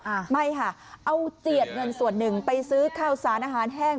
อ่าไม่ค่ะเอาเจียดเงินส่วนหนึ่งไปซื้อข้าวสารอาหารแห้ง